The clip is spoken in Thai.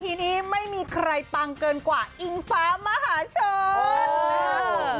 ทีนี้ไม่มีใครปังเกินกว่าอิงฟ้ามหาชน